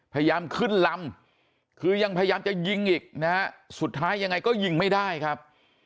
พยายามขึ้นลำคือยังพยายามจะยิงอีกนะฮะสุดท้ายยังไงก็ยิงไม่ได้ครับ